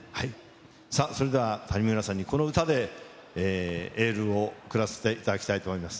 さあ、それでは谷村さんにこの歌でエールを送らせていただきたいと思います。